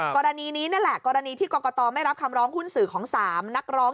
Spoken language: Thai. กรณีนี้นั่นแหละกรณีที่กรกตไม่รับคำร้องหุ้นสื่อของ๓นักร้อง